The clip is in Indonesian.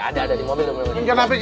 udah bener lu ada kan abilannya